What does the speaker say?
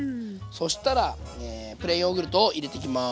そしたらプレーンヨーグルトを入れていきます。